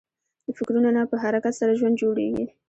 د فکرو نه په حرکت سره ژوند جوړېږي.